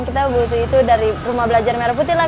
kita butuh itu dari rumah belajar merah putih lah